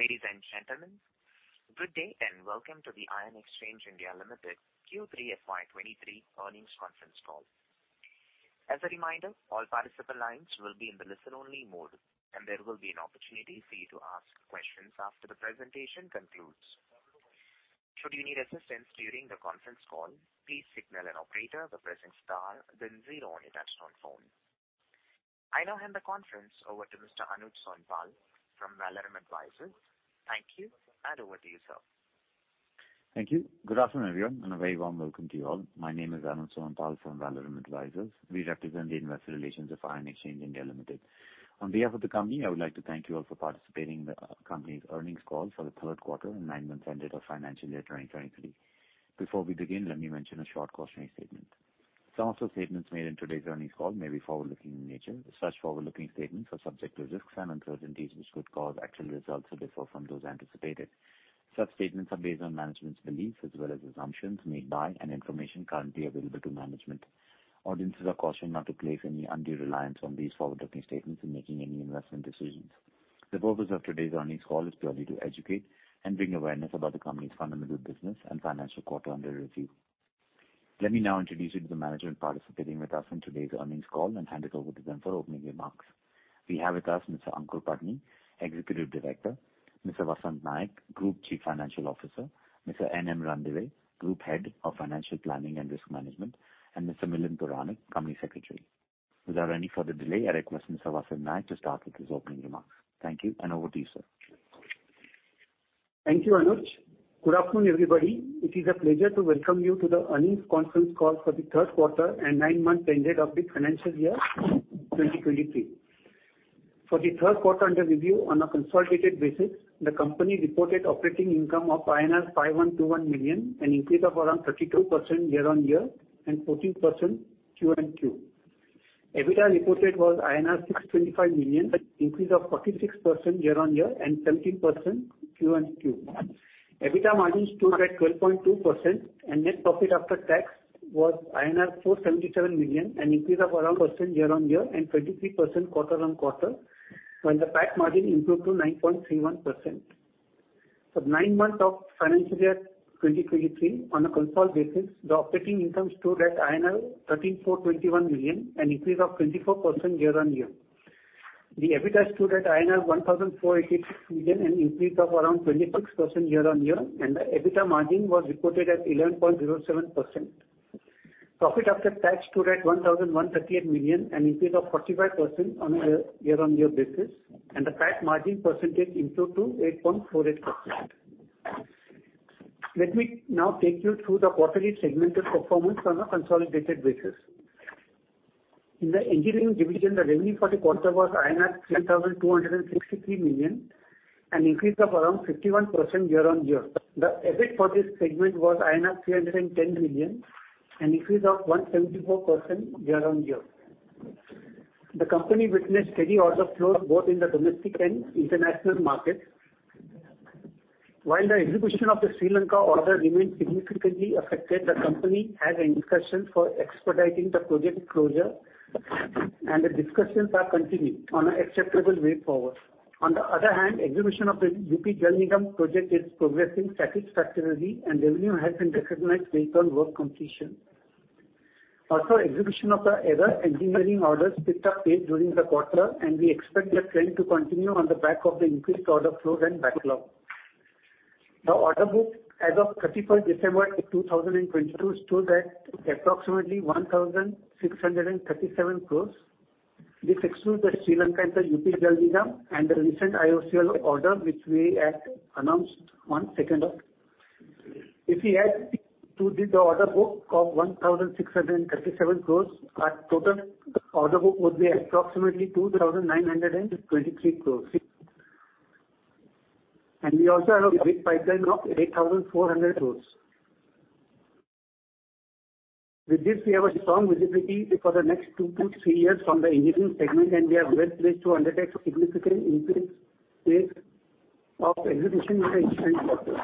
Ladies and gentlemen, good day, and welcome to the Ion Exchange (India) Limited Q3 FY 2023 Earnings Conference Call. As a reminder, all participant lines will be in the listen-only mode, and there will be an opportunity for you to ask questions after the presentation concludes. Should you need assistance during the conference call, please signal an operator by pressing star then zero on your touch-tone phone. I now hand the conference over to Mr. Anuj Sonpal from Valorium Advisors. Thank you, and over to you, sir. Thank you. Good afternoon, everyone, and a very warm welcome to you all. My name is Anuj Sonpal from Valorium Advisors. We represent the investor relations of Ion Exchange (India) Limited. On behalf of the company, I would like to thank you all for participating in the company's earnings call for the third quarter and nine-month ended of financial year 2023. Before we begin, let me mention a short cautionary statement. Some of the statements made in today's earnings call may be forward-looking in nature. Such forward-looking statements are subject to risks and uncertainties, which could cause actual results to differ from those anticipated. Such statements are based on management's beliefs as well as assumptions made by and information currently available to management. Audiences are cautioned not to place any undue reliance on these forward-looking statements in making any investment decisions. The purpose of today's earnings call is purely to educate and bring awareness about the company's fundamental business and financial quarter under review. Let me now introduce you to the management participating with us in today's earnings call and hand it over to them for opening remarks. We have with us Mr. Ankur Patni, Executive Director; Mr. Vasant Naik, Group Chief Financial Officer; Mr. N.M. Ranadive, Group Head of Financial Planning and Risk Management; and Mr. Milind Puranik, Company Secretary. Without any further delay, I request Mr. Vasant Naik to start with his opening remarks. Thank you, and over to you, sir. Thank you, Anuj. Good afternoon, everybody. It is a pleasure to welcome you to the earnings conference call for the third quarter and nine months ended of the financial year 2023. For the third quarter under review on a consolidated basis, the company reported operating income of INR 5,121 million, an increase of around 32% year-on-year and 14% QoQ. EBITDA reported was INR 625 million, an increase of 46% year-on-year and 17% QoQ. EBITDA margin stood at 12.2%, and net profit after tax was INR 477 million, an increase of around percent year-on-year and 23% quarter-on-quarter, while the PAT margin improved to 9.31%. For nine months of financial year 2023 on a consolidated basis, the operating income stood at 13,421 million, an increase of 24% year-on-year. The EBITDA stood at 1,486 million, an increase of around 26% year-on-year, and the EBITDA margin was reported at 11.07%. Profit after tax stood at 1,138 million, an increase of 45% on a year-on-year basis, and the PAT margin percentage improved to 8.48%. Let me now take you through the quarterly segmented performance on a consolidated basis. In the engineering division, the revenue for the quarter was 3,263 million, an increase of around 51% year-on-year. The EBIT for this segment was 310 million, an increase of 174% year-on-year. The company witnessed steady order flow both in the domestic and international markets. While the execution of the Sri Lanka order remains significantly affected, the company has discussions for expediting the project closure, and the discussions are continuing on an acceptable way forward. On the other hand, execution of the Uttar Pradesh Jal Nigam project is progressing satisfactorily, and revenue has been recognized based on work completion. Also, execution of the other engineering orders picked up pace during the quarter, and we expect the trend to continue on the back of the increased order flow and backlog. The order book as of 31st December 2022 stood at approximately 1,637 crores. This excludes the Sri Lanka and the Uttar Pradesh Jal Nigam and the recent IOCL order, which we had announced on 2nd August. If we add to the order book of 1,637 crores, our total order book would be approximately 2,923 crores. We also have a bid pipeline of 8,400 crores. With this, we have a strong visibility for the next two to three years from the engineering segment, and we are well-placed to undertake significant increase pace of execution in the ensuing quarters.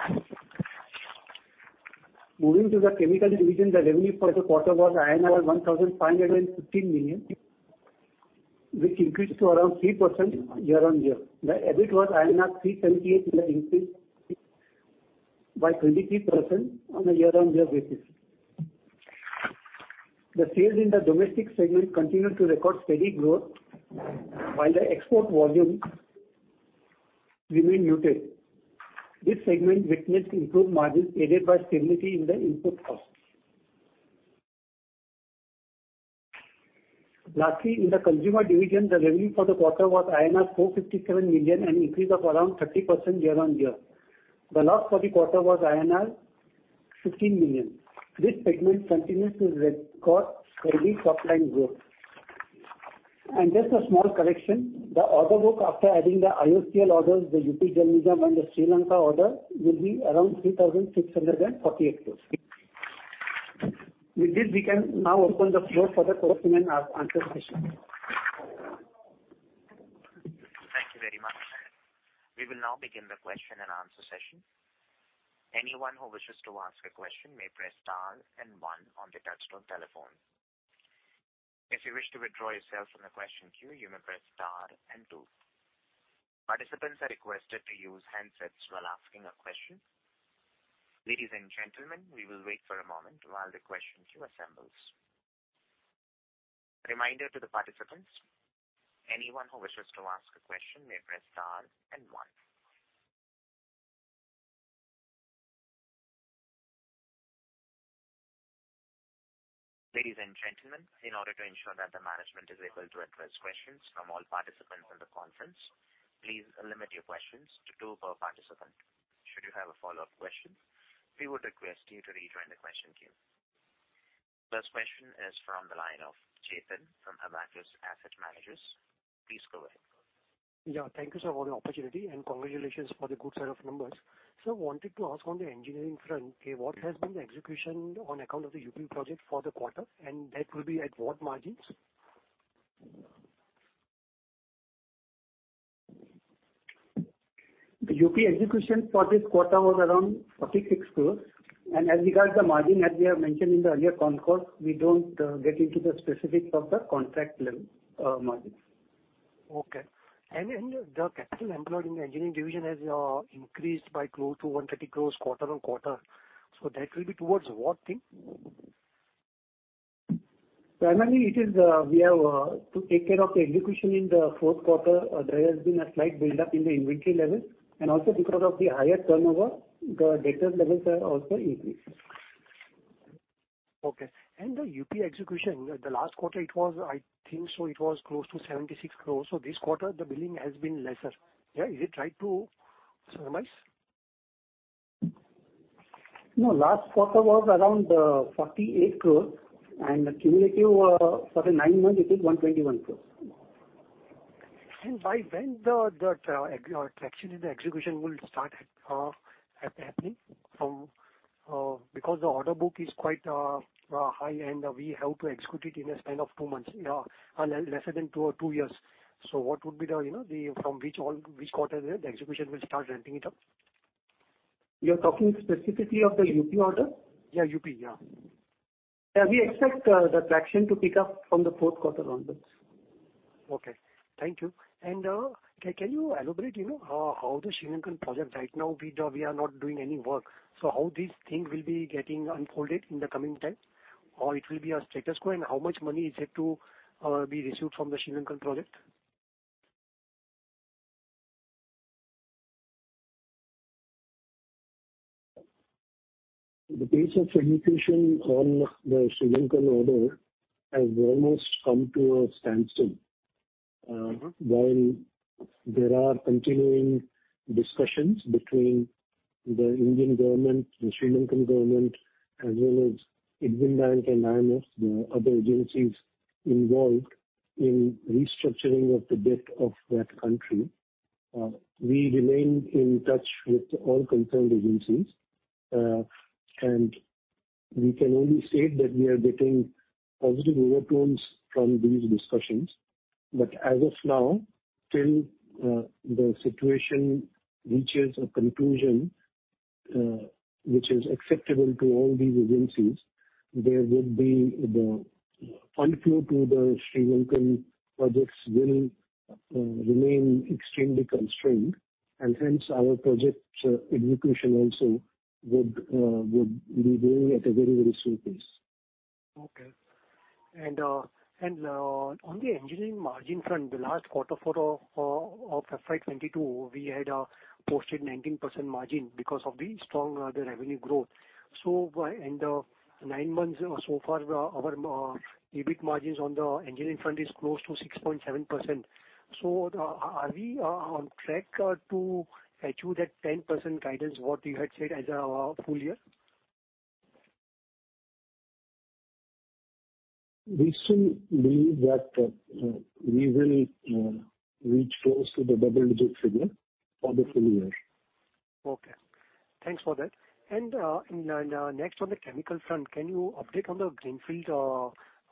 Moving to the chemical division, the revenue for the quarter was 1,515 million, which increased to around 3% year-on-year. The EBIT was 378 million, an increase by 23% on a year-on-year basis. The sales in the domestic segment continued to record steady growth, while the export volume remained muted. This segment witnessed improved margins aided by stability in the input costs. Lastly, in the consumer division, the revenue for the quarter was INR 457 million, an increase of around 30% year-on-year. The loss for the quarter was INR 15 million. This segment continues to record steady top-line growth. Just a small correction, the order book after adding the IOCL orders, the Uttar Pradesh Jal Nigam, and the Sri Lanka order will be around 3,648 crores. With this, we can now open the floor for the question and answer session. Thank you very much. We will now begin the question and answer session. Anyone who wishes to ask a question may press star and one on the touch-tone telephone. If you wish to withdraw yourself from the question queue, you may press star and two. Participants are requested to use handsets while asking a question. Ladies and gentlemen, we will wait for a moment while the question queue assembles. Reminder to the participants, anyone who wishes to ask a question may press star and one. Ladies and gentlemen, in order to ensure that the management is able to address questions from all participants on the conference, please limit your questions to two per participant. Should you have a follow-up question, we would request you to rejoin the question queue. First question is from the line of Chetan from Emkay Asset Managers. Please go ahead. Yeah. Thank you, sir, for the opportunity, and congratulations for the good set of numbers. Sir, wanted to ask on the engineering front, okay, what has been the execution on account of the UP project for the quarter, and that will be at what margins? The UP execution for this quarter was around 46 crores. As regards the margin, as we have mentioned in the earlier concall, we don't get into the specifics of the contract level margins. Okay. The capital employed in the engineering division has increased by close to 130 crores quarter-on-quarter. That will be towards what thing? Primarily, it is we have to take care of the execution in the fourth quarter. There has been a slight buildup in the inventory levels. Also because of the higher turnover, the debtors levels have also increased. Okay. The UP execution, the last quarter, I think so it was close to 76 crores. This quarter the billing has been lesser. Yeah. Is it right to summarize? No, last quarter was around 48 crore and cumulative for the 9 months it is 121 crores. By when the traction in the execution will start happening? Because the order book is quite high, and we have to execute it in a span of 2 months, and lesser than 2 years. From which quarter the execution will start ramping it up? You're talking specifically of the UP order? Yeah, UP. Yeah. Yeah, we expect the traction to pick up from the fourth quarter onwards. Okay. Thank you. Can you elaborate how the Sri Lankan project right now, we are not doing any work. How this thing will be getting unfolded in the coming time, or it will be a status quo? How much money is yet to be received from the Sri Lankan project? The pace of execution on the Sri Lankan order has almost come to a standstill. While there are continuing discussions between the Indian government, the Sri Lankan government, as well as Exim Bank and IMF, the other agencies involved in restructuring of the debt of that country. We remain in touch with all concerned agencies. We can only say that we are getting positive overtones from these discussions. As of now, till the situation reaches a conclusion which is acceptable to all these agencies, the fund flow to the Sri Lankan projects will remain extremely constrained, and hence our projects execution also would be going at a very, very slow pace. Okay. On the engineering margin front, the last quarter of FY 2022, we had posted 19% margin because of the strong revenue growth. In the nine months so far, our EBIT margins on the engineering front is close to 6.7%. Are we on track to achieve that 10% guidance, what you had said as a full year? We still believe that we will reach close to the double-digit figure for the full year. Okay. Thanks for that. Next on the chemical front, can you update on the greenfield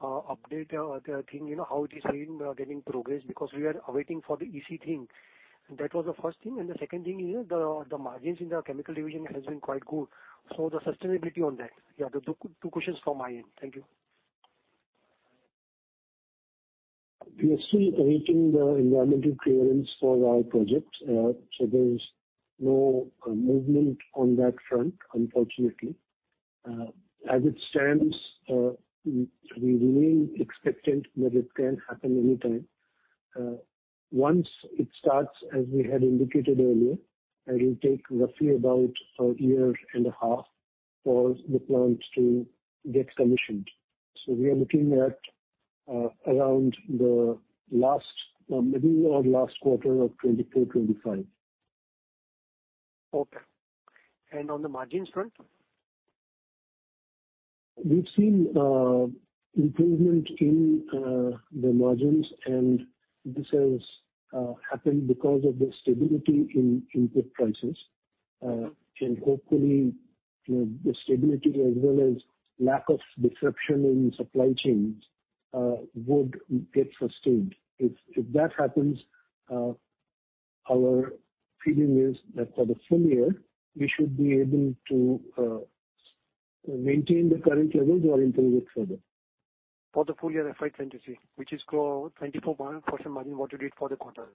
update, the thing, how it is getting progress? Because we are waiting for the EC thing. That was the first thing. The second thing is the margins in the chemical division has been quite good. The sustainability on that. Yeah, the two questions from my end. Thank you. We are still awaiting the environmental clearance for our project. There is no movement on that front, unfortunately. As it stands, we remain expectant that it can happen anytime. Once it starts, as we had indicated earlier, it will take roughly about a year and a half for the plant to get commissioned. We are looking at around maybe the last quarter of 2024, 2025. Okay. On the margins front? We've seen improvement in the margins, this has happened because of the stability in input prices. Hopefully, the stability as well as lack of disruption in supply chains would get sustained. If that happens- Our feeling is that for the full year, we should be able to maintain the current levels or improve it further. For the full year FY 2023, which is growth 24 basis point margin, what you did for the quarter?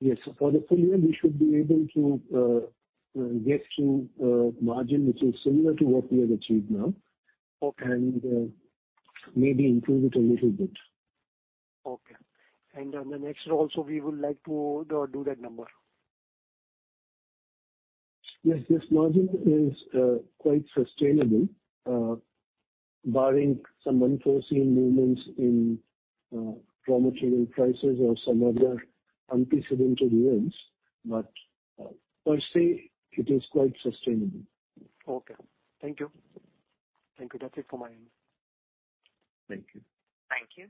Yes. For the full year, we should be able to get to a margin which is similar to what we have achieved now. Okay. Maybe improve it a little bit. Okay. In the next year also, we would like to do that number. Yes, this margin is quite sustainable, barring some unforeseen movements in raw material prices or some other unprecedented events. Per se, it is quite sustainable. Okay. Thank you. That's it from my end. Thank you. Thank you.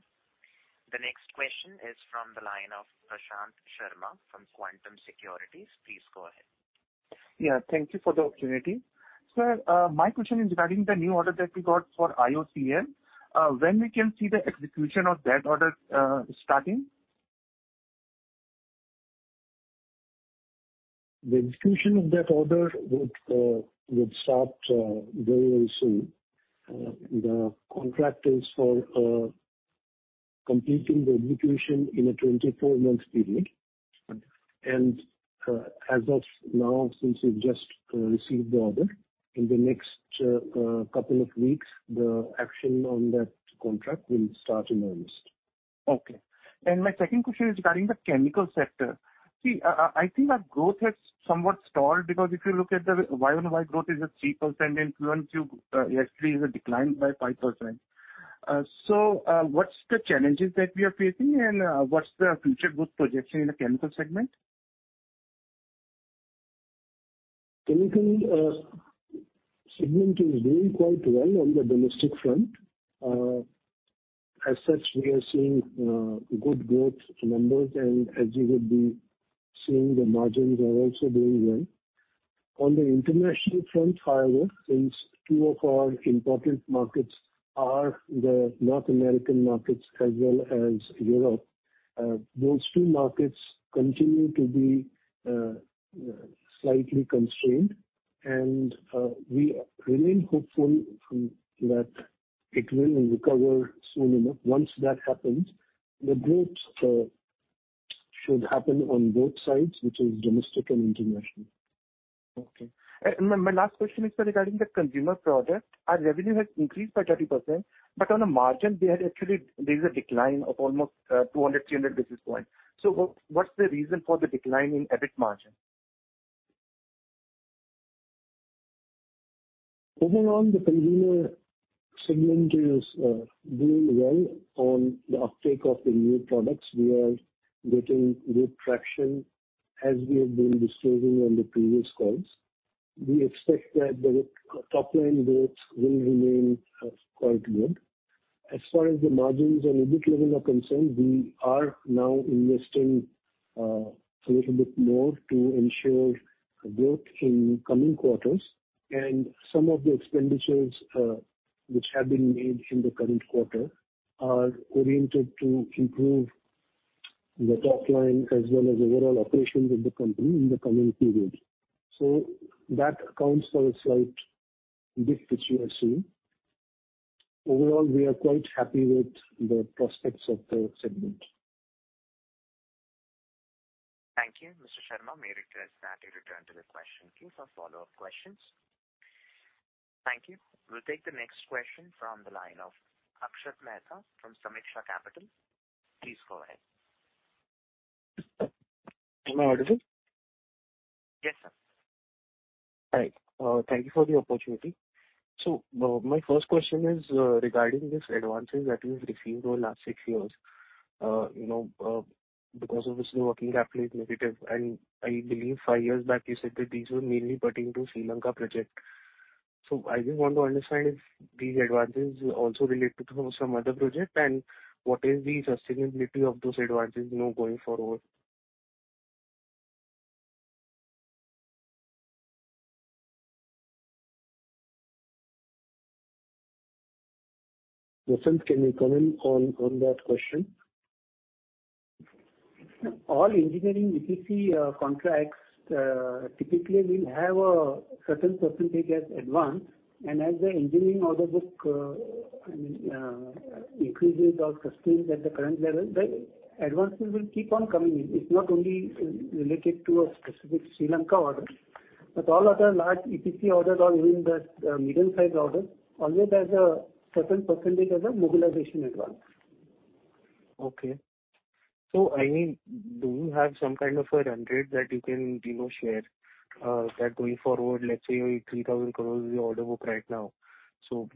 The next question is from the line of Prashant Sharma from Quantum Securities. Please go ahead. Yeah. Thank you for the opportunity. Sir, my question is regarding the new order that we got for IOCL. When we can see the execution of that order starting? The execution of that order would start very, very soon. The contract is for completing the execution in a 24-month period. Okay. As of now, since we've just received the order, in the next couple of weeks, the action on that contract will start in earnest. Okay. My second question is regarding the chemical sector. I think our growth has somewhat stalled because if you look at the year-over-year growth is at 3%, and quarter-on-quarter, actually is a decline by 5%. What's the challenges that we are facing and what's the future growth projection in the chemical segment? Chemical segment is doing quite well on the domestic front. As such, we are seeing good growth numbers and as you would be seeing, the margins are also doing well. On the international front, however, since two of our important markets are the North American markets as well as Europe. Those two markets continue to be slightly constrained, and we remain hopeful that it will recover soon enough. Once that happens, the growth should happen on both sides, which is domestic and international. My last question is, sir, regarding the consumer product. Our revenue has increased by 30%. On a margin there is a decline of almost 200, 300 basis points. What's the reason for the decline in EBIT margin? Overall, the consumer segment is doing well on the uptake of the new products. We are getting good traction as we have been disclosing on the previous calls. We expect that the top-line growths will remain quite good. As far as the margins and EBIT levels are concerned, we are now investing a little bit more to ensure growth in coming quarters. Some of the expenditures which have been made in the current quarter are oriented to improve the top line as well as overall operations of the company in the coming period. That accounts for a slight dip which you are seeing. Overall, we are quite happy with the prospects of the segment. Thank you, Mr. Sharma. May we request that you return to the question queue for follow-up questions. Thank you. We'll take the next question from the line of Akshat Mehta from Samiksha Capital. Please go ahead. Am I audible? Yes, sir. Hi. Thank you for the opportunity. My first question is regarding these advances that you've received over the last six years. Because obviously working capital is negative, and I believe five years back you said that these were mainly pertaining to Sri Lanka project. I just want to understand if these advances also relate to some other project and what is the sustainability of those advances now going forward. Vasant, can you comment on that question? All engineering EPC contracts typically will have a certain percentage as advance and as the engineering order book increases or sustains at the current level, the advances will keep on coming in. It's not only related to a specific Sri Lanka order, but all other large EPC orders or even the medium-size orders, always has a certain percentage as a mobilization advance. Okay. Do you have some kind of a run rate that you can share that going forward, let's say your 3,000 crore is your order book right now. What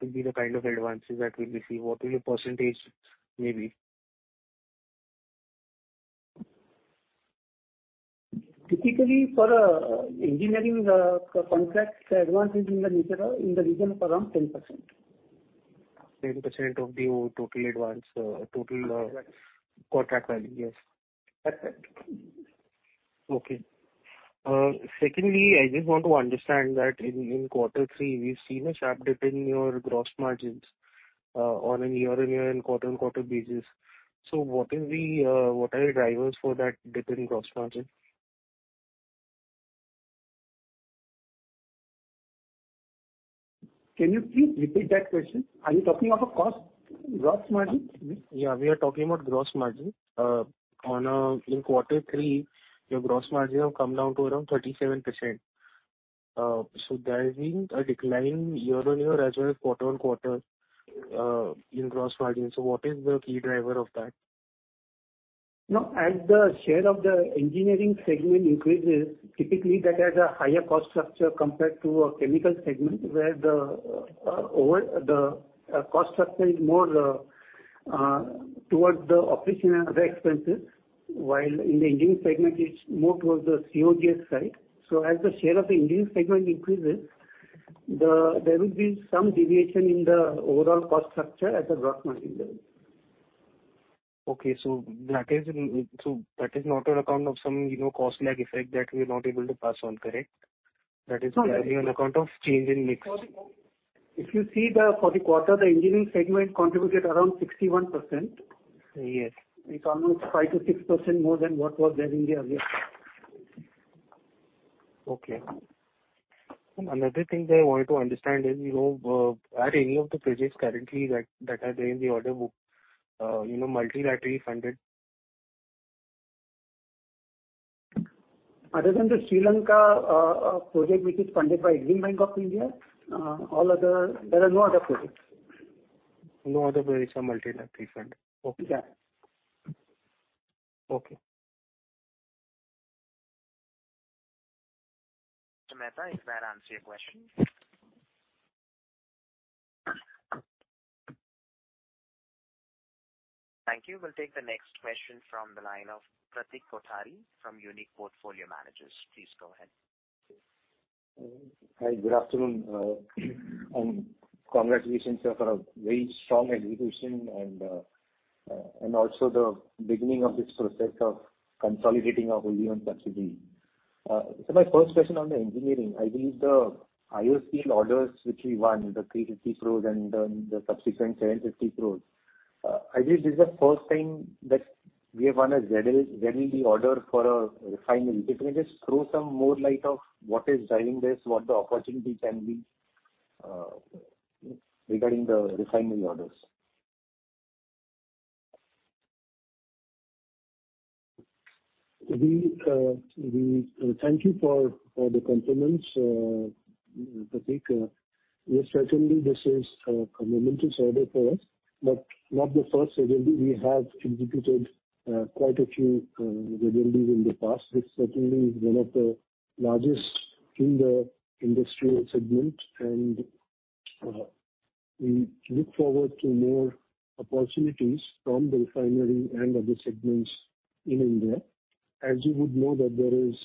will be the kind of advances that we'll receive? What will the percentage may be? Typically, for engineering contracts, the advance is in the region of around 10%. 10% of the total contract value, yes. That's it. Okay. Secondly, I just want to understand that in quarter three, we've seen a sharp dip in your gross margins on a year-on-year and quarter-on-quarter basis. What are your drivers for that dip in gross margin? Can you please repeat that question? Are you talking of a cost gross margin? Yeah, we are talking about gross margin. In quarter three, your gross margin have come down to around 37%. There's been a decline year-on-year as well as quarter-on-quarter in gross margin. What is the key driver of that? As the share of the engineering segment increases, typically that has a higher cost structure compared to a chemical segment, where the cost structure is more towards the operational expenses. While in the engineering segment, it's more towards the COGS side. As the share of the engineering segment increases, there will be some deviation in the overall cost structure as a gross margin. Okay. That is not on account of some cost lag effect that we're not able to pass on, correct? No. That is purely on account of change in mix. If you see there for the quarter, the engineering segment contributed around 61%. Yes. It's almost 5%-6% more than what was there in the earlier quarter. Okay. Another thing that I wanted to understand is, are any of the projects currently that are there in the order book multilaterally funded? Other than the Sri Lanka project, which is funded by Export-Import Bank of India, there are no other projects. No other projects are multilaterally funded. Yeah. Okay. Mr. Mehta, does that answer your question? Thank you. We'll take the next question from the line of Pratik Kothari from Unique Portfolio Managers. Please go ahead. Hi. Good afternoon. Congratulations for a very strong execution and also the beginning of this process of consolidating our holding on Satluj G. My first question on the engineering, I believe the IOCL orders which we won, the 350 crore and the subsequent 750 crore. I believe this is the first time that we have won a ZLD order for a refinery. If you can just throw some more light of what is driving this, what the opportunity can be regarding the refinery orders. Thank you for the compliments, Pratik. Yes, certainly this is a momentous order for us, but not the first ZLD. We have executed quite a few ZLDs in the past. This certainly is one of the largest in the industrial segment, and we look forward to more opportunities from the refinery and other segments in India. As you would know that there is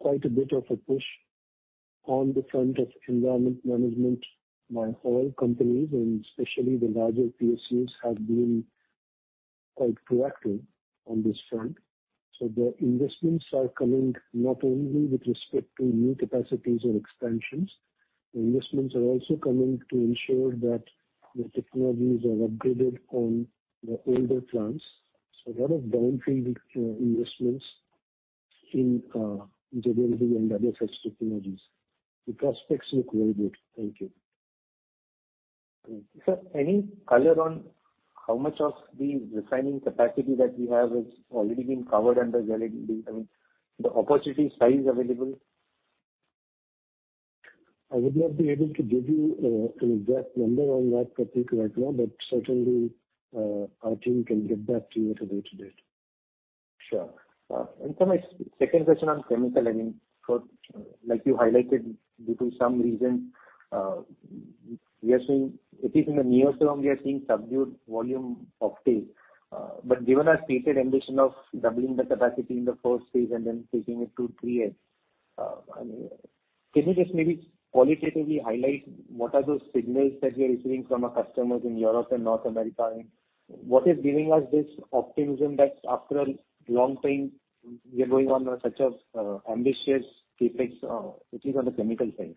quite a bit of a push on the front of environment management by oil companies, and especially the larger PSUs have been quite proactive on this front. The investments are coming not only with respect to new capacities or expansions. The investments are also coming to ensure that the technologies are upgraded on the older plants. A lot of downfield investments in ZLD and WFS technologies. The prospects look very good. Thank you. Sir, any color on how much of the refining capacity that we have has already been covered under ZLD? I mean, the opportunity size available. I would not be able to give you an exact number on that, Pratik, right now, but certainly our team can get that to you at a later date. Sure. Sir, my second question on chemical. Like you highlighted due to some reason, at least in the near term, we are seeing subdued volume of sales. But given our stated ambition of doubling the capacity in the first phase and then taking it to three years, can you just maybe qualitatively highlight what are those signals that you're receiving from our customers in Europe and North America? What is giving us this optimism that after a long time, we are going on such an ambitious CapEx, at least on the chemical side?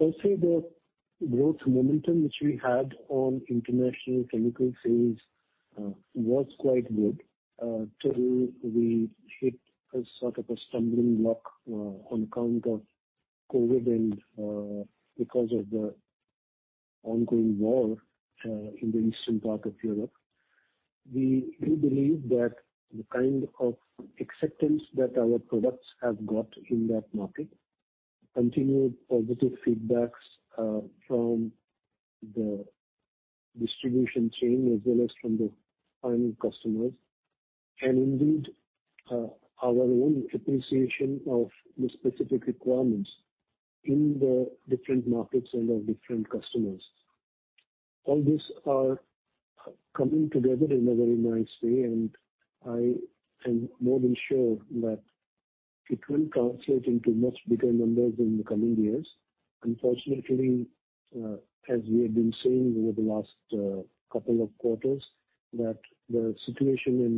I'll say the growth momentum which we had on international chemical sales was quite good till we hit a sort of a stumbling block on account of COVID because of the ongoing war in the eastern part of Europe. We do believe that the kind of acceptance that our products have got in that market, continued positive feedbacks from the distribution chain as well as from the final customers, indeed our own appreciation of the specific requirements in the different markets and of different customers. All these are coming together in a very nice way, I am more than sure that It will translate into much bigger numbers in the coming years. Unfortunately, as we have been saying over the last couple of quarters, that the situation in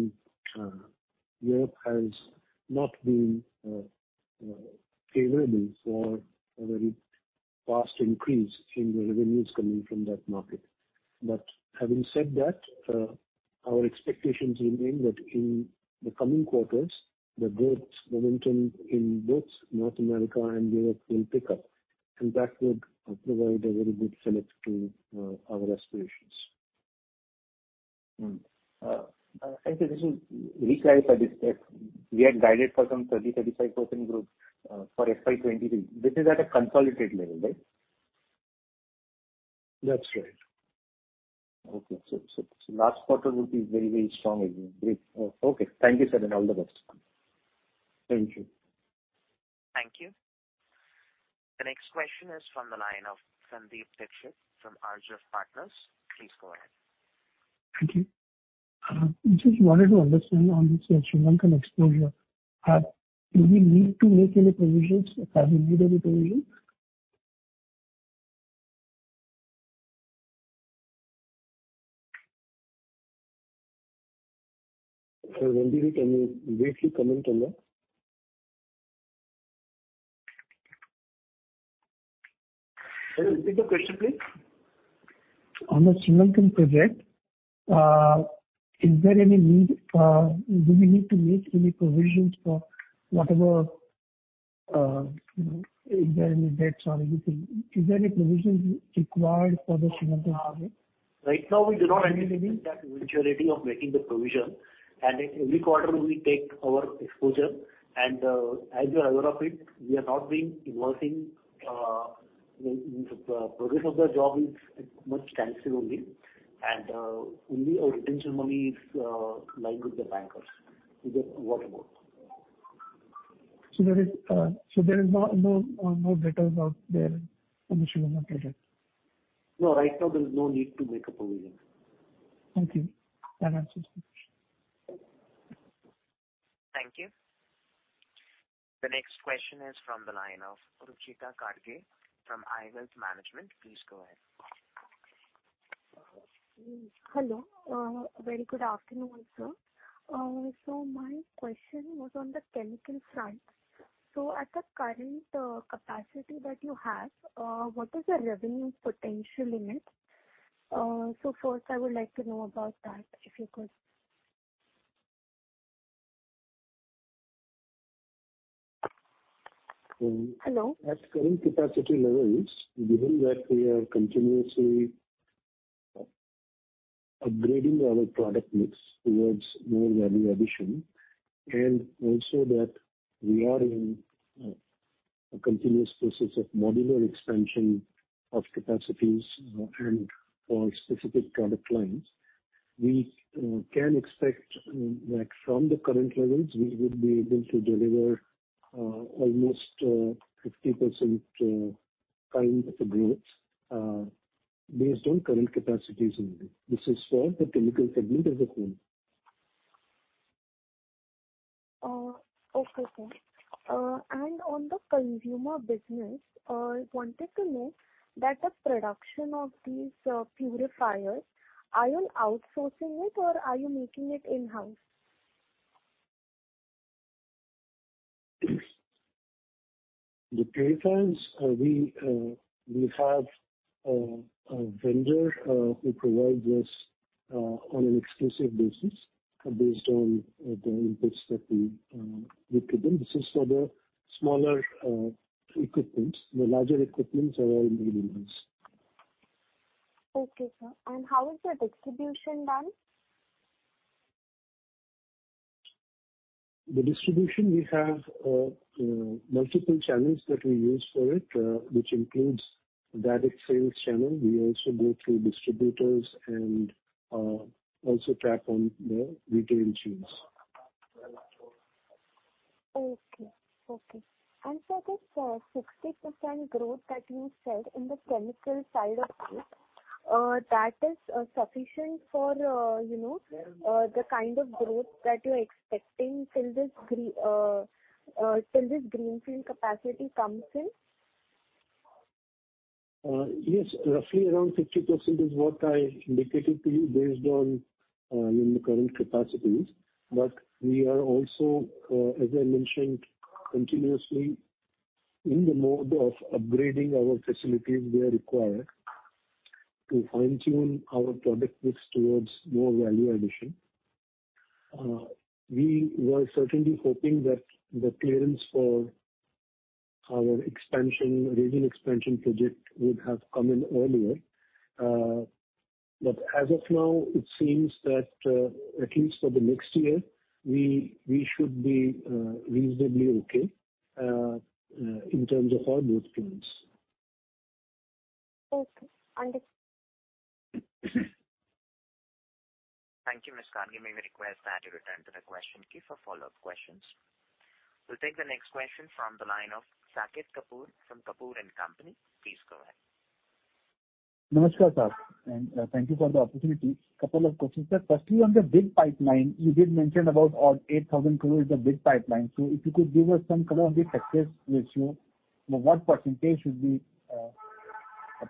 Europe has not been favorable for a very fast increase in the revenues coming from that market. Having said that, our expectations remain that in the coming quarters, the growth momentum in both North America and Europe will pick up, that would provide a very good fillip to our aspirations. Okay. This is We had guided for some 30%-35% growth for FY 2023. This is at a consolidated level, right? That's right. Okay. Last quarter would be very strong again. Great. Okay. Thank you, sir, and all the best. Thank you. Thank you. The next question is from the line of Sandeep Dikshit from RGF Partners. Please go ahead. Thank you. We just wanted to understand on the Sri Lankan exposure. Do we need to make any provisions or have you made any provision? Sir, Randhir, can you briefly comment on that? Sir, repeat the question, please. On the Sri Lankan project, do we need to make any provisions for if there are any debts or anything. Is there any provision required for the Sri Lankan project? Right now, we do not anticipate that eventuality of making the provision, every quarter we take our exposure. As you're aware of it, we have not been involved in the progress of the job is much standstill only. Only our retention money is lying with the bankers. We just watch about. There is no debtors out there on the Sri Lankan project? No, right now there's no need to make a provision. Thank you. That answers my question. Thank you. The next question is from the line of Ruchita Kadge from iWealth Management. Please go ahead. Hello. A very good afternoon, sir. My question was on the chemical front. At the current capacity that you have, what is the revenue potential in it? First, I would like to know about that, if you could. Hello? At current capacity levels, given that we are continuously upgrading our product mix towards more value addition, and also that we are in a continuous process of modular expansion of capacities and for specific product lines. We can expect that from the current levels, we would be able to deliver almost 50% kind of a growth based on current capacities only. This is for the chemical segment as a whole. Okay, sir. On the consumer business, I wanted to know that the production of these purifiers, are you outsourcing it or are you making it in-house? The purifiers, we have a vendor who provides us on an exclusive basis based on the inputs that we give to them. This is for the smaller equipments. The larger equipments are all in-house. Okay, sir. How is their distribution done? The distribution, we have multiple channels that we use for it, which includes direct sales channel. We also go through distributors and also tap on the retail chains. Okay. Sir, that 60% growth that you said in the chemical side of it, that is sufficient for the kind of growth that you are expecting till this greenfield capacity comes in? Yes, roughly around 50% is what I indicated to you based on the current capacities. We are also, as I mentioned, continuously in the mode of upgrading our facilities where required to fine-tune our product mix towards more value addition. We were certainly hoping that the clearance for our expansion, resin expansion project would have come in earlier. As of now, it seems that at least for the next year, we should be reasonably okay in terms of our both plants. Okay. Understood. Thank you, Ms. Kadge. May we request that you return to the question queue for follow-up questions. We will take the next question from the line of Saket Kapoor from Kapoor & Company. Please go ahead. Namaskar, sir, thank you for the opportunity. Couple of questions, sir. Firstly, on the bid pipeline, you did mention about 8,000 crore is the bid pipeline. If you could give us some color on the success ratio. What percentage should we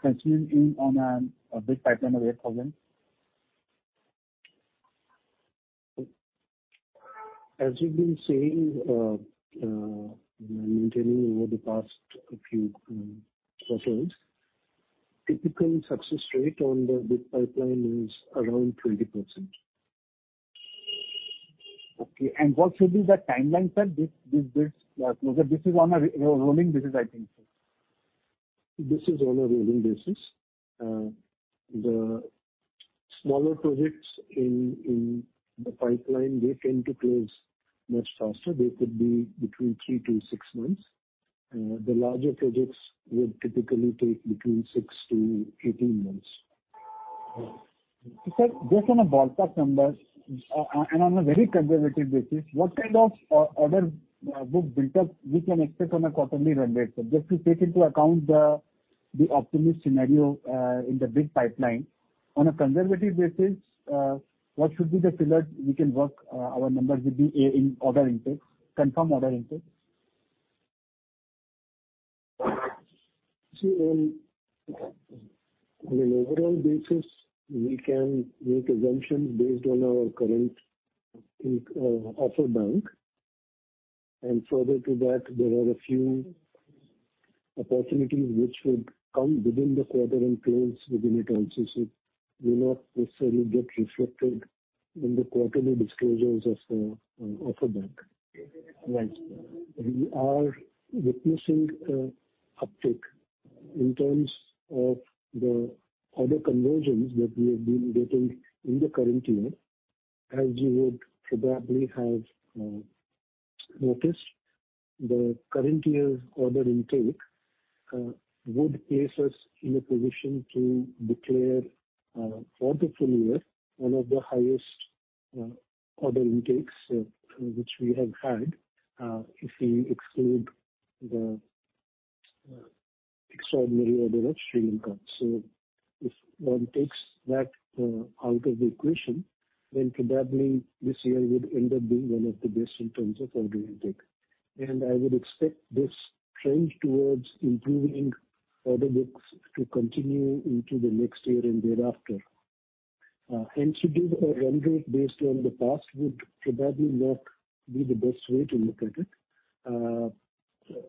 presume in on a bid pipeline of 8,000? As we've been saying, maintaining over the past few quarters, typical success rate on the bid pipeline is around 20%. Okay. What should be the timelines for these bids? This is on a rolling basis, I think so. This is on a rolling basis. The smaller projects in the pipeline, they tend to close much faster. They could be between 3 to 6 months. The larger projects would typically take between 6 to 18 months. Sir, just on a ballpark number and on a very conservative basis, what kind of order book built up we can expect on a quarterly run rate? Just to take into account the optimistic scenario in the bid pipeline. On a conservative basis, what should be the figure we can work our numbers would be in order intake, confirmed order intake? See, on an overall basis, we can make assumptions based on our current offer bank. Further to that, there are a few opportunities which would come within the quarter and close within it also. They not necessarily get reflected in the quarterly disclosures of the offer bank. Right. We are witnessing an uptick in terms of the order conversions that we have been getting in the current year. As you would probably have noticed, the current year's order intake would place us in a position to declare for the full year one of the highest order intakes which we have had, if we exclude the extraordinary order of Sri Lanka. If one takes that out of the equation, then probably this year would end up being one of the best in terms of order intake. I would expect this trend towards improving order books to continue into the next year and thereafter. Hence, to give a run rate based on the past would probably not be the best way to look at it.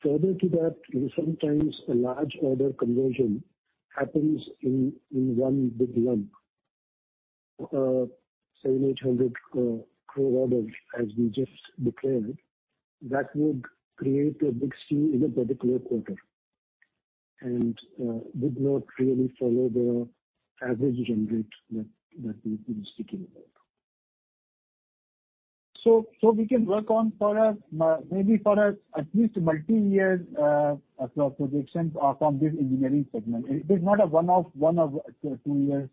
Further to that, sometimes a large order conversion happens in one big lump. 700-800 crore orders, as we just declared, that would create a big surge in a particular quarter, and did not really follow the average run rate that we've been speaking about. We can work on maybe for at least multi-year projections from this engineering segment. It is not a one or two years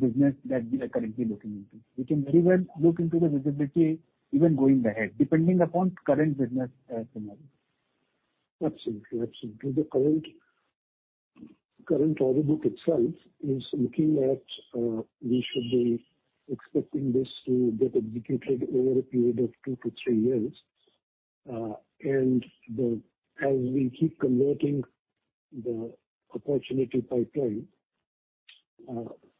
business that we are currently looking into. We can very well look into the visibility even going ahead, depending upon current business scenario. Absolutely. The current order book itself is looking at, we should be expecting this to get executed over a period of two to three years. As we keep converting the opportunity pipeline,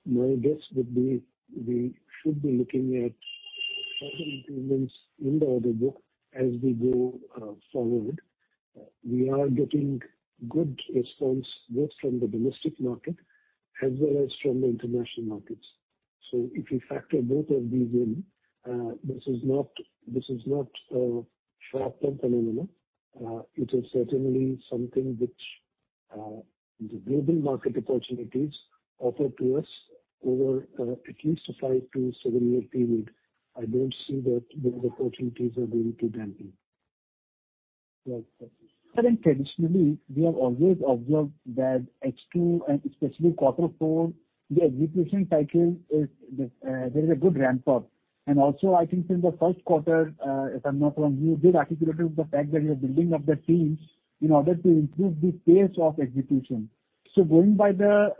my guess would be we should be looking at further improvements in the order book as we go forward. We are getting good response, both from the domestic market as well as from the international markets. If you factor both of these in, this is not a short-term phenomenon. It is certainly something which the global market opportunities offer to us over at least a five to seven-year period. I don't see that those opportunities are going to dampen. Right. Traditionally, we have always observed that ex two and especially quarter four, the execution cycle, there is a good ramp up. Also, I think in the first quarter, if I'm not wrong, you did articulate the fact that you're building up the teams in order to improve the pace of execution. Going by the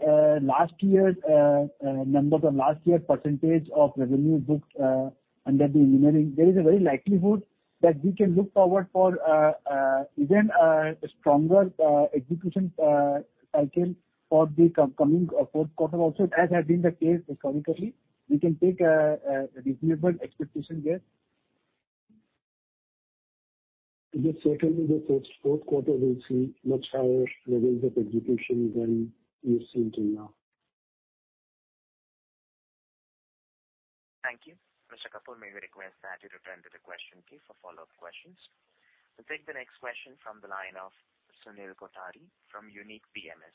numbers of last year percentage of revenue booked under the engineering, there is a very likelihood that we can look forward for even a stronger execution cycle for the coming fourth quarter also, as has been the case historically. We can take a reasonable expectation there. Secondly, the fourth quarter will see much higher levels of execution than we've seen till now. Thank you. Mr. Kapoor, may we request that you return to the question queue for follow-up questions. We'll take the next question from the line of Sunil Kothari from Unique PMS.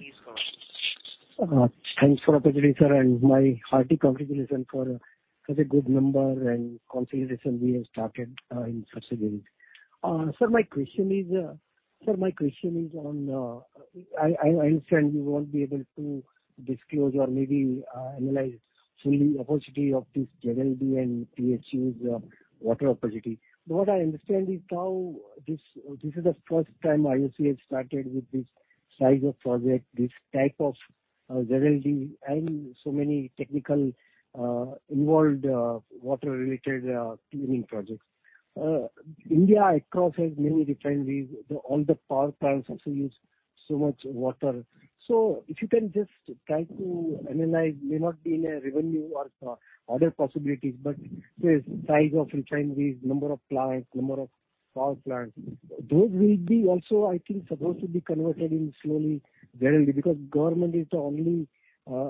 Please go ahead. Thanks for the opportunity, sir, and my hearty congratulations for such a good number and consolidation we have started in such a way. Sir, my question is on I understand you won't be able to disclose or maybe analyze fully the opportunity of this JLLB and PHU water opportunity. What I understand is how this is the first time IOC has started with this size of project, this type of ZLD and so many technical involved water-related cleaning projects. India across has many refineries. All the power plants also use so much water. If you can just try to analyze, may not be in a revenue or other possibilities, but say size of refineries, number of plants, number of power plants. Those will be also, I think, supposed to be converted in slowly ZLD, because government is the only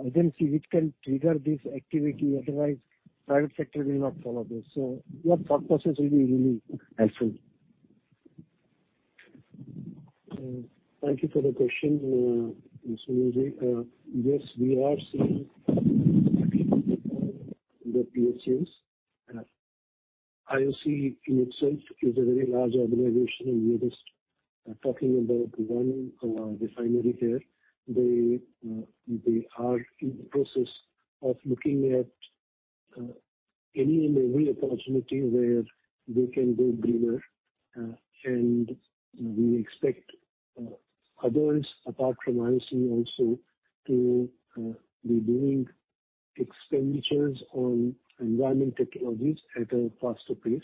agency which can trigger this activity. Otherwise, private sector will not follow this. Your thought process will be really helpful. Thank you for the question, Mr. Ajay. Yes, we are seeing the PSUs. IOC in itself is a very large organization, and we are just talking about one refinery here. They are in the process of looking at any and every opportunity where they can go greener. We expect others, apart from IOC also, to be doing expenditures on environment technologies at a faster pace.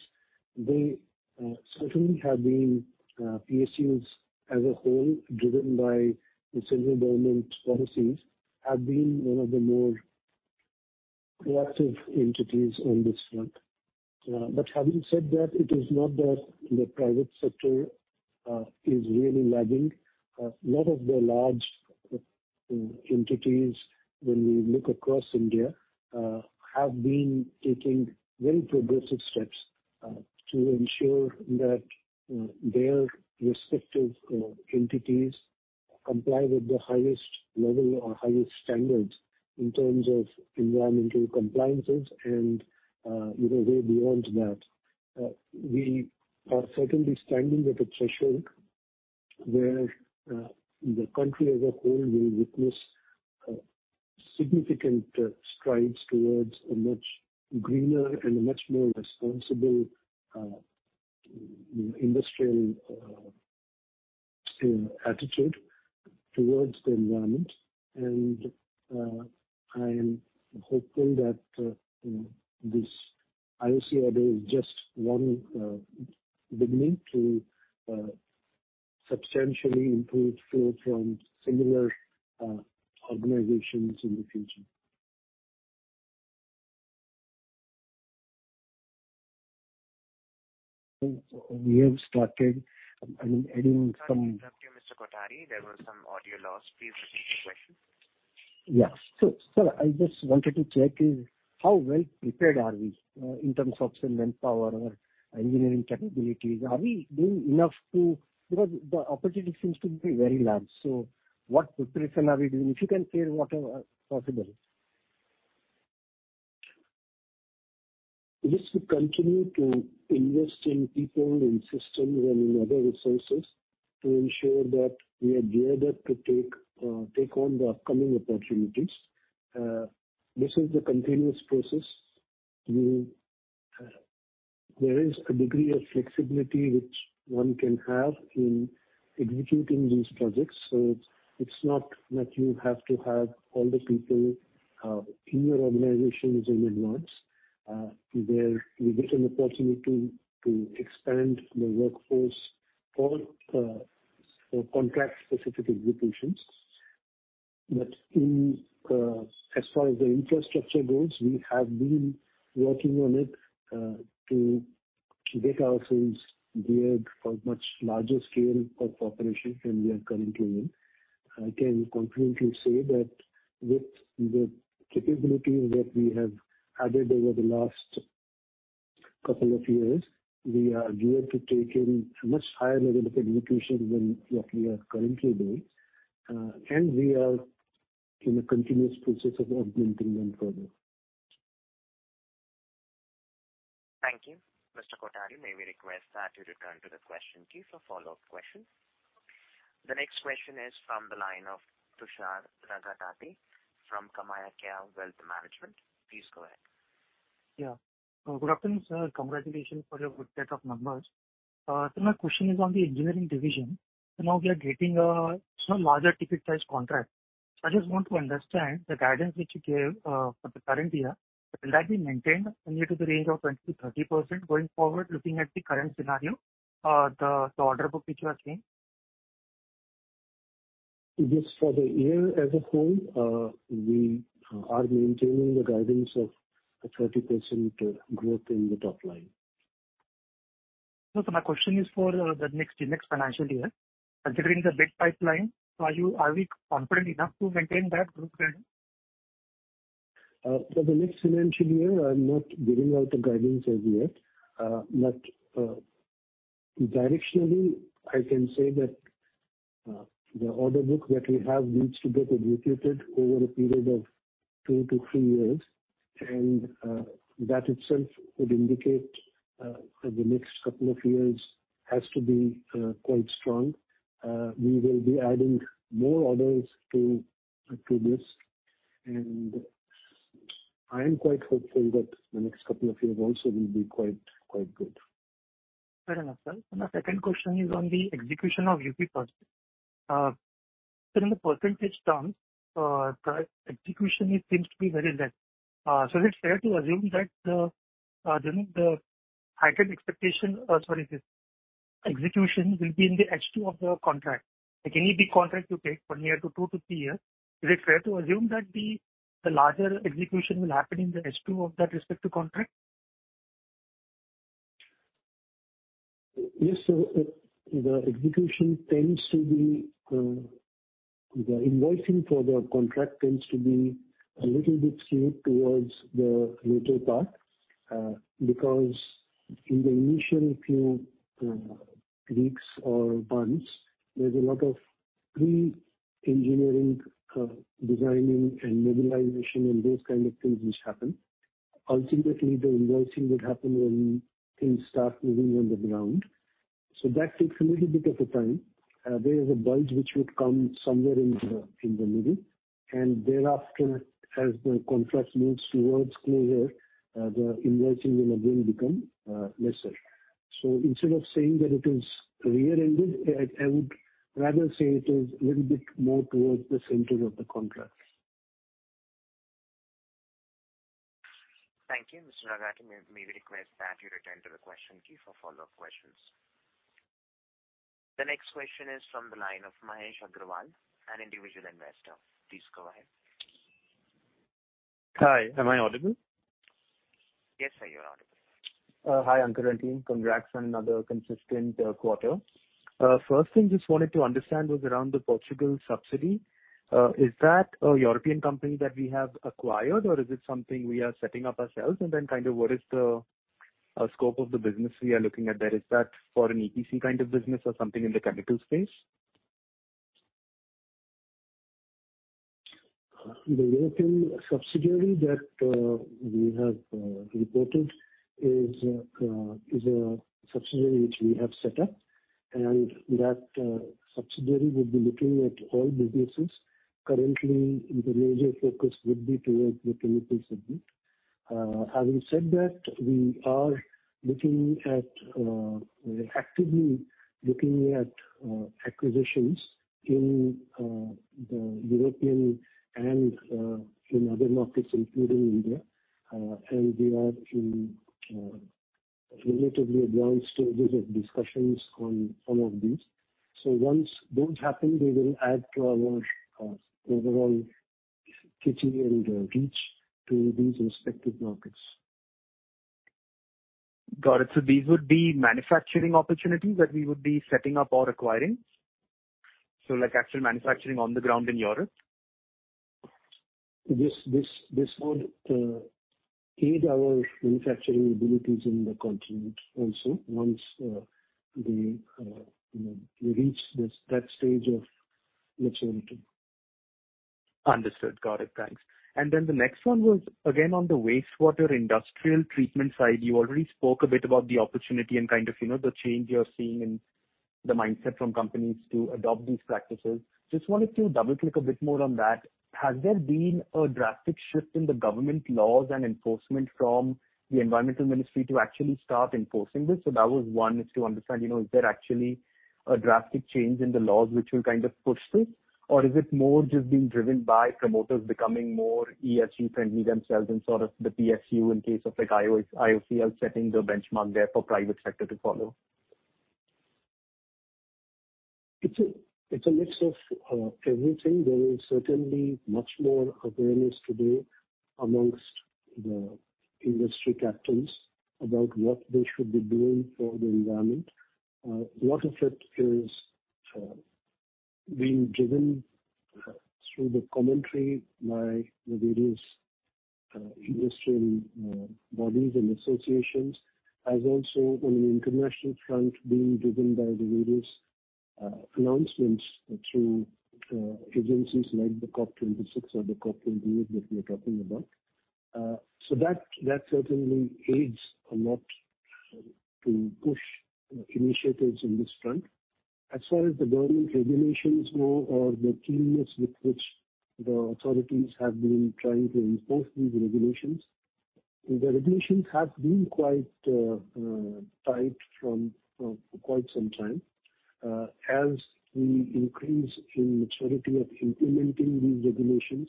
Certainly, PSUs as a whole, driven by the central government policies, have been one of the more proactive entities on this front. Having said that, it is not that the private sector is really lagging. Lot of the large entities, when we look across India, have been taking very progressive steps to ensure that their respective entities comply with the highest level or highest standards in terms of environmental compliances, and even way beyond that. We are certainly standing at a threshold where the country as a whole will witness significant strides towards a much greener and a much more responsible industrial attitude towards the environment. I am hopeful that this IOC order is just one beginning to substantially improve flow from similar organizations in the future. Sorry to interrupt you, Mr. Kothari. There was some audio loss. Please repeat your question. I just wanted to check how well-prepared are we in terms of manpower or engineering capabilities. Are we doing enough? The opportunity seems to be very large, what preparation are we doing? If you can share whatever possible. Yes, we continue to invest in people and systems and in other resources to ensure that we are geared up to take on the upcoming opportunities. This is a continuous process. There is a degree of flexibility which one can have in executing these projects. It's not that you have to have all the people in your organization in advance. You get an opportunity to expand the workforce for contract-specific executions. As far as the infrastructure goes, we have been working on it to get ourselves geared for much larger scale of operations than we are currently in. I can confidently say that with the capabilities that we have added over the last couple of years, we are geared to take in a much higher level of execution than what we are currently doing. We are in a continuous process of augmenting them further. Thank you. Mr. Kothari, may we request that you return to the question queue for follow-up questions. The next question is from the line of Tushar Raga Tati from Kamaya Kia Wealth Management. Please go ahead. Yeah. Good afternoon, sir. Congratulations on your good set of numbers. My question is on the engineering division. Now we are getting some larger ticket size contracts. I just want to understand the guidance which you gave for the current year. Will that be maintained only to the range of 20%-30% going forward, looking at the current scenario, the order book which you are seeing? Yes, for the year as a whole, we are maintaining the guidance of a 30% growth in the top line. No, my question is for the next financial year. Considering the big pipeline, are we confident enough to maintain that growth guidance? For the next financial year, I'm not giving out a guidance as yet. Directionally, I can say that the order book that we have needs to get executed over a period of 2 to 3 years. That itself would indicate the next couple of years has to be quite strong. We will be adding more orders to this and I am quite hopeful that the next couple of years also will be quite good. Fair enough, sir. My second question is on the execution of UP project. Sir, in the percentage terms, the execution it seems to be very less. Is it fair to assume that the execution will be in the H2 of the contract? Like any big contract you take from here to 2 to 3 years, is it fair to assume that the larger execution will happen in the H2 of that respective contract? Yes. The invoicing for the contract tends to be a little bit skewed towards the later part, because in the initial few weeks or months, there's a lot of pre-engineering, designing, and mobilization and those kind of things which happen. Ultimately, the invoicing would happen when things start moving on the ground. That takes a little bit of a time. There is a bulge which would come somewhere in the middle, thereafter, as the contract moves towards closure, the invoicing will again become lesser. Instead of saying that it is rear-ended, I would rather say it is a little bit more towards the center of the contract. Thank you, Mr. Agam Shah. May we request that you return to the question queue for follow-up questions. The next question is from the line of Mahesh Agrawal, an individual investor. Please go ahead. Hi, am I audible? Yes, sir, you're audible. Hi, Aankur and team. Congrats on another consistent quarter. First thing just wanted to understand was around the Portugal subsidy. Is that a European company that we have acquired, or is it something we are setting up ourselves? What is the scope of the business we are looking at there? Is that for an EPC kind of business or something in the chemical space? The European subsidiary that we have reported is a subsidiary which we have set up. That subsidiary would be looking at all businesses. Currently, the major focus would be towards the chemical segment. Having said that, we are actively looking at acquisitions in the European and in other markets, including India. We are in relatively advanced stages of discussions on some of these. Once those happen, they will add to our overall kitchen and reach to these respective markets. Got it. These would be manufacturing opportunities that we would be setting up or acquiring? Like actual manufacturing on the ground in Europe? This would aid our manufacturing abilities in the continent also once we reach that stage of maturity. Understood. Got it. Thanks. Then the next one was, again, on the wastewater industrial treatment side. You already spoke a bit about the opportunity and kind of the change you're seeing in the mindset from companies to adopt these practices. Just wanted to double-click a bit more on that. Has there been a drastic shift in the government laws and enforcement from the environmental ministry to actually start enforcing this? That was one, is to understand, is there actually a drastic change in the laws which will kind of push this? Or is it more just being driven by promoters becoming more ESG friendly themselves and sort of the PSU in case of like IOCL setting the benchmark there for private sector to follow? It's a mix of everything. There is certainly much more awareness today amongst the industry captains about what they should be doing for the environment. A lot of it is being driven through the commentary by the various industry bodies and associations, as also on an international front, being driven by the various announcements through agencies like the COP26 or the COP28 that we are talking about. That certainly aids a lot to push initiatives on this front. As far as the government regulations more or the keenness with which the authorities have been trying to enforce these regulations, the regulations have been quite tight for quite some time. As we increase in maturity of implementing these regulations,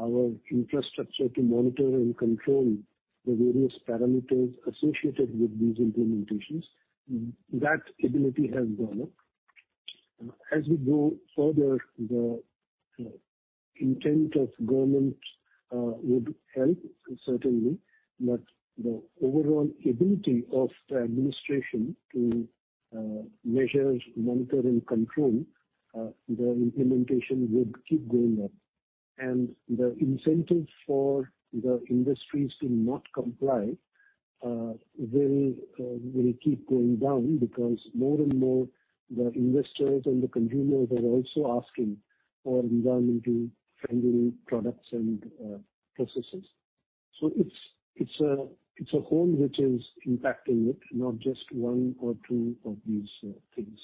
our infrastructure to monitor and control the various parameters associated with these implementations, that ability has gone up. As we go further, the intent of government would help, certainly, but the overall ability of the administration to measure, monitor, and control the implementation would keep going up. The incentive for the industries to not comply will keep going down because more and more the investors and the consumers are also asking for environmentally friendly products and processes. It's a whole which is impacting it, not just one or two of these things.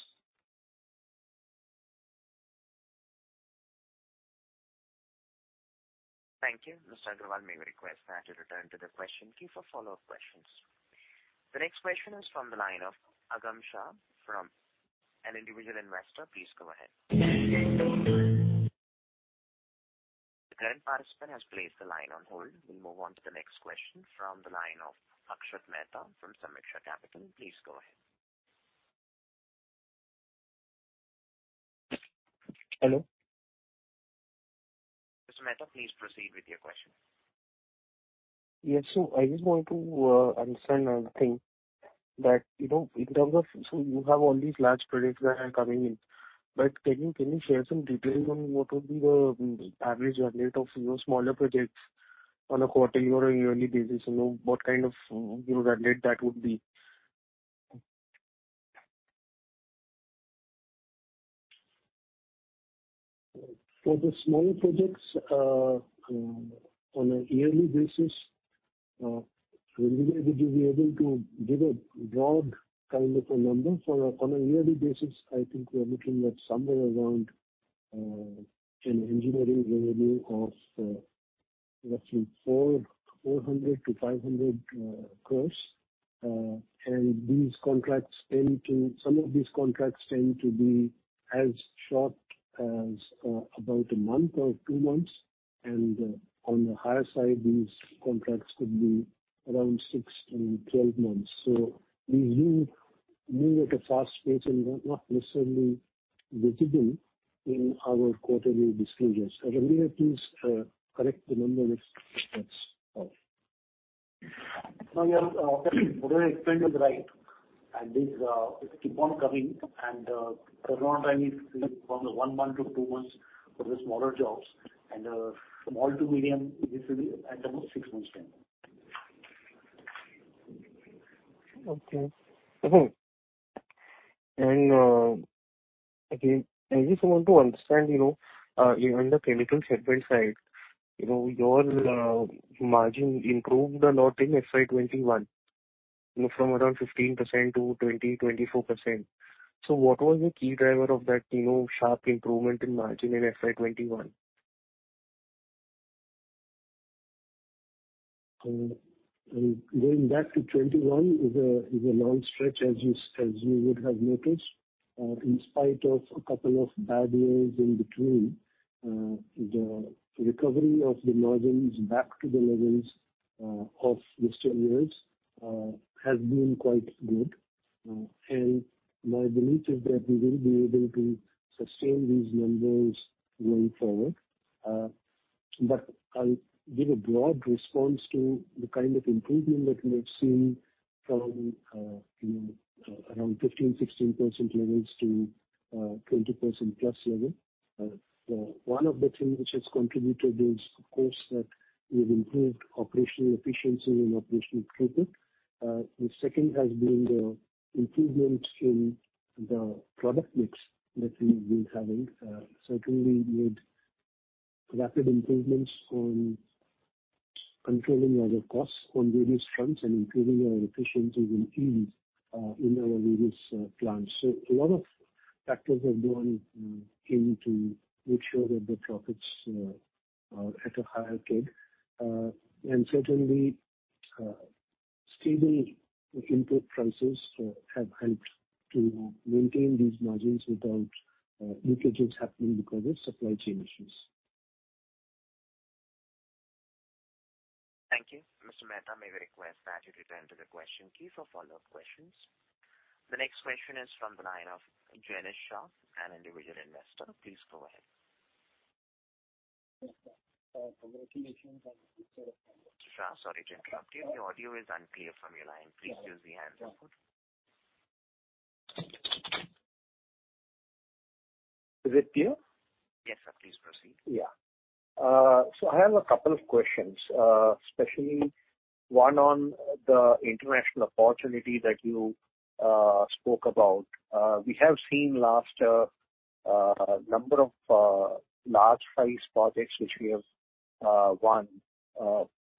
Thank you. Mr. Agrawal, may we request that you return to the question queue for follow-up questions. The next question is from the line of Agam Shah from An Individual Investor. Please go ahead. The current participant has placed the line on hold. We'll move on to the next question from the line of Akshat Mehta from Samiksha Capital. Please go ahead. Hello. Mr. Mehta, please proceed with your question. Yes. I just want to understand one thing that you have all these large projects that are coming in. Can you share some details on what would be the average revenue of your smaller projects on a quarterly or a yearly basis? What kind of revenue that would be? For the small projects on a yearly basis, Randhir, would you be able to give a broad kind of a number? On a yearly basis, I think we are looking at somewhere around an engineering revenue of roughly 400 crore to 500 crore. Some of these contracts tend to be as short as about a month or 2 months, and on the higher side, these contracts could be around 6 and 12 months. We move at a fast pace and we're not necessarily visible in our quarterly disclosures. Randhir, please correct the number if that's off. No, what I explained is right. These keep on coming, and the turnaround time is from 1 month to 2 months for the smaller jobs, and small to medium, this will be at about 6 months time. Okay. Again, I just want to understand, even the chemical segment side, your margin improved a lot in FY 2021, from around 15% to 20%-24%. What was the key driver of that sharp improvement in margin in FY 2021? Going back to 2021 is a long stretch, as you would have noticed. In spite of a couple of bad years in between, the recovery of the margins back to the levels of yesteryears has been quite good. My belief is that we will be able to sustain these numbers going forward. I'll give a broad response to the kind of improvement that we have seen from around 15%-16% levels to 20%+ level. One of the things which has contributed is, of course, that we've improved operational efficiency and operational throughput. The second has been the improvements in the product mix that we've been having. Certainly made rapid improvements on controlling our costs on various fronts and improving our efficiencies in our various plants. A lot of factors have gone into make sure that the profits are at a higher tag. Certainly, stable input prices have helped to maintain these margins without linkages happening because of supply chain issues. Thank you. Mr. Mehta, may we request that you return to the question queue for follow-up questions. The next question is from the line of Jainish Shah, an individual investor. Please go ahead. A couple of questions on Shah, sorry to interrupt you. The audio is unclear from your line. Please use the hands-free. Is it clear? Yes, sir. Please proceed. I have a couple of questions, especially one on the international opportunity that you spoke about. We have seen last number of large-size projects which we have won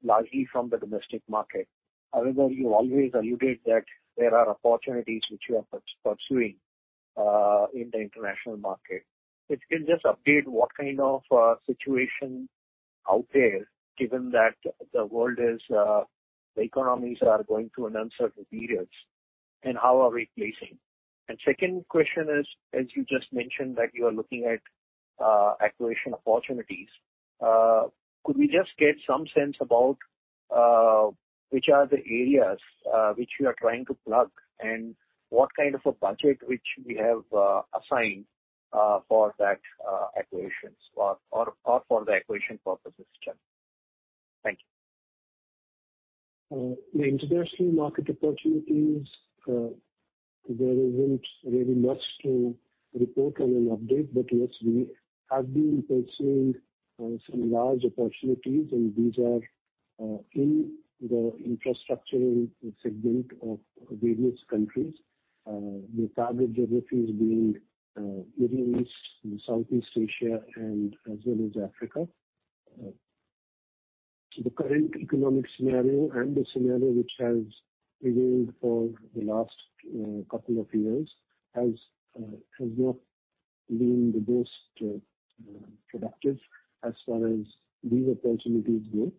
largely from the domestic market. However, you always alluded that there are opportunities which you are pursuing in the international market. If you can just update what kind of situation out there, given that the economies are going through an uncertain periods, and how are we placing? Second question is, as you just mentioned that you are looking at acquisition opportunities. Could we just get some sense about which are the areas which you are trying to plug, and what kind of a budget which we have assigned for that acquisitions or for the acquisition purposes? Thank you. The international market opportunities, there isn't really much to report on an update. Yes, we have been pursuing some large opportunities, and these are in the infrastructural segment of various countries. The target geographies being Middle East and Southeast Asia and as well as Africa. The current economic scenario and the scenario which has prevailed for the last couple of years has not been the most productive as far as these opportunities go.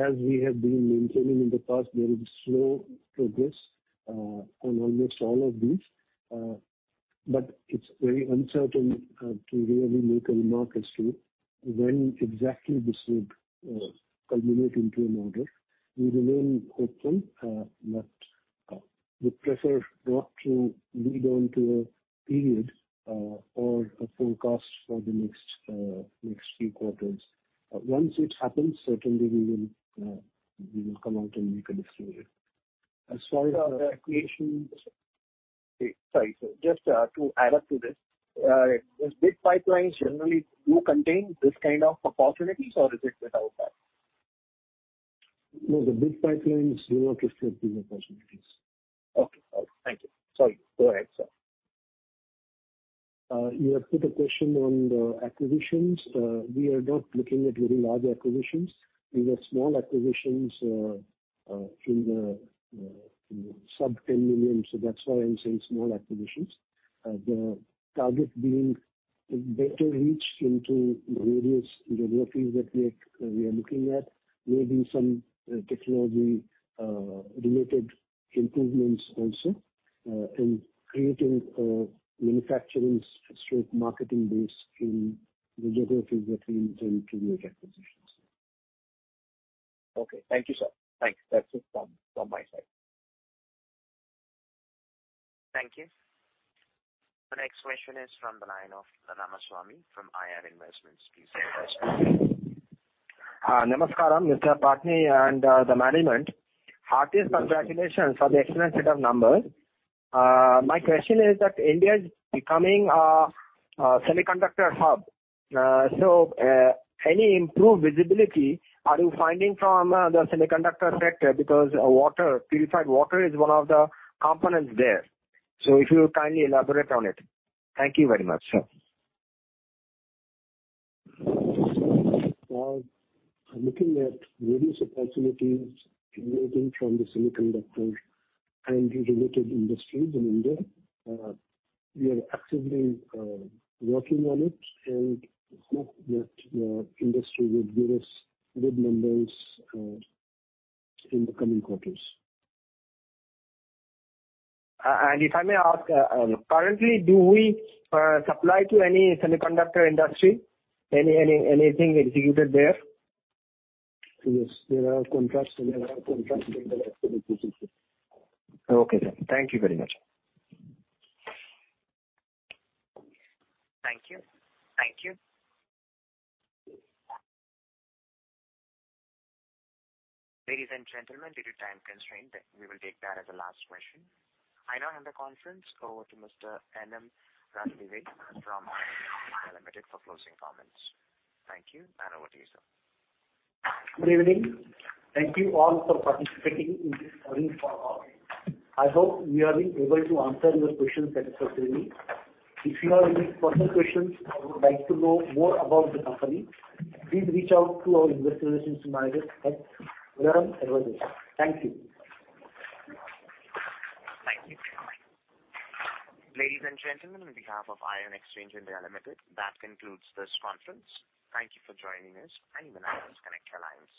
As we have been maintaining in the past, there is slow progress on almost all of these. It's very uncertain to really make a mark as to when exactly this would culminate into an order. We remain hopeful, but would prefer not to lead onto a period or a forecast for the next few quarters. Once it happens, certainly we will come out and make a disclosure. Sorry, sir. Just to add up to this. These big pipelines generally do contain this kind of opportunities, or is it without that? No, the big pipelines do not affect these opportunities. Okay. Thank you. Sorry. Go ahead, sir. You have put a question on the acquisitions. We are not looking at very large acquisitions. We want small acquisitions in the sub 10 million. That's why I'm saying small acquisitions. The target being better reach into various geographies that we are looking at, maybe some technology-related improvements also, and creating a manufacturing/marketing base in the geographies that we intend to make acquisitions. Okay. Thank you, sir. Thanks. That's it from my side. Thank you. The next question is from the line of Ramaswamy from IR Investments. Please go ahead. Namaskaram, Mr. Patni and the management. Heartiest congratulations for the excellent set of numbers. My question is that India is becoming a semiconductor hub. Any improved visibility are you finding from the semiconductor sector? Because purified water is one of the components there. If you would kindly elaborate on it. Thank you very much, sir. Well, we're looking at various opportunities emerging from the semiconductor and related industries in India. We are actively working on it and hope that the industry would give us good numbers in the coming quarters. If I may ask, currently, do we supply to any semiconductor industry? Anything executed there? Yes. There are contracts in the semiconductor sector. Okay, sir. Thank you very much. Thank you. Ladies and gentlemen, due to time constraint, we will take that as the last question. I now hand the conference over to Mr. N.M. Ranadive from Ion Exchange (India) Limited for closing comments. Thank you, and over to you, sir. Good evening. Thank you all for participating in this earnings call. I hope we have been able to answer your questions satisfactorily. If you have any further questions or would like to know more about the company, please reach out to our investor relations manager at Valorem Advisors. Thank you. Thank you. Ladies and gentlemen, on behalf of Ion Exchange (India) Limited, that concludes this conference. Thank you for joining us. You may now disconnect your lines.